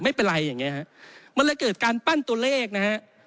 ไม่เป็นไรอย่างเงี้ฮะมันเลยเกิดการปั้นตัวเลขนะฮะ